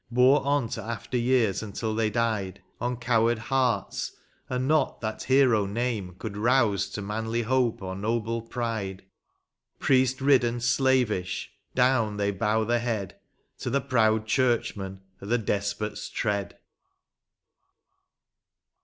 Bore on to after years, until they died On coward hearts, and not that hero name Gould rouse to manly hope or noble pride ; Priest ridden, slavish, down they bow the head To the proud churchman, or the despot's tread.